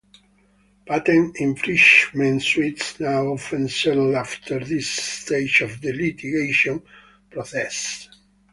Patent infringement suits now often settle after this stage of the litigation process.